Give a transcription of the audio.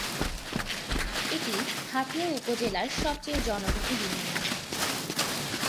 এটি হাতিয়া উপজেলার সবচেয়ে জনবহুল ইউনিয়ন।